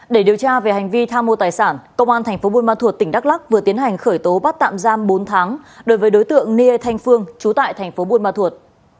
để điều tra về hành vi tham mô tài sản công an tp bun ma thuột tỉnh đắk lắc vừa tiến hành khởi tố bắt tạm giam bốn tháng đối với đối tượng nia thanh phương trú tại tp bun ma thuột